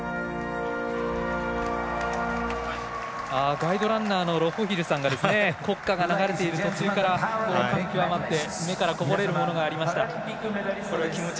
ガイドランナーのロホヒルさんが国歌が流れている途中から感極まって流れるものがありました。